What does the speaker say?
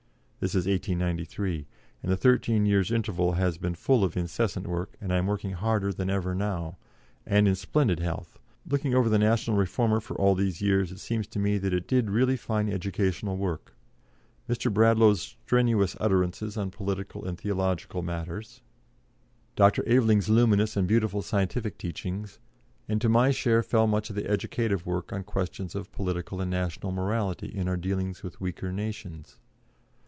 This is 1893, and the thirteen years' interval has been full of incessant work, and I am working harder than ever now, and in splendid health. Looking over the National Reformer for all these years, it seems to me that it did really fine educational work; Mr. Bradlaugh's strenuous utterances on political and theological matters; Dr. Aveling's luminous and beautiful scientific teachings; and to my share fell much of the educative work on questions of political and national morality in our dealings with weaker nations.